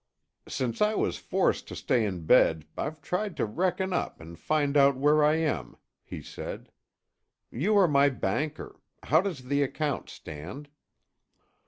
"Since I was forced to stay in bed I've tried to reckon up and find out where I am," he said. "You are my banker. How does the account stand?"